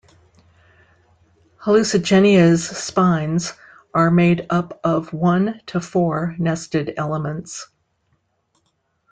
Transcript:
"Hallucigenia"'s spines are made up of one to four nested elements.